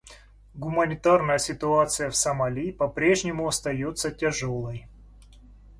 Гуманитарная ситуация в Сомали по-прежнему остается тяжелой.